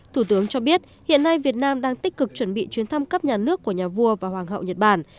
thủ tướng cho biết hiện nay việt nam đang tích cực chuẩn bị chuyến thăm cấp nhà nước của nhà vua và hoàng hậu nhật bản